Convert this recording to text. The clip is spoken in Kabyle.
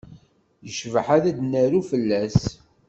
Yecbaḥ ad d-naru fell-as.